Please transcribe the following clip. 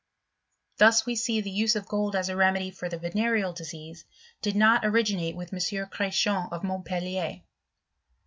Thus we see the use of gold as a remedy for the venereal disease did not originate with M. Chretiens, of Montpelier.